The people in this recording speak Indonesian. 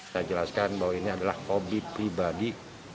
saya jelaskan bahwa ini adalah hobi pribadi